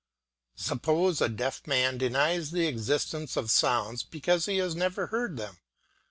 Suppose a deaf man denies the existence of sounds because he has never heard them.